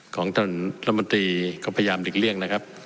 ของท่านรัฐมนตรีก็พยายามหลีกเลี่ยงนะครับ